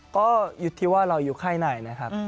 ก็อยู่ที่ว่าเราอยู่ค่ายไหนนะครับ